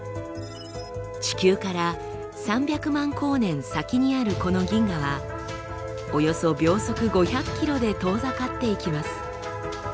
地球から３００万光年先にあるこの銀河はおよそ秒速５００ｋｍで遠ざかっていきます。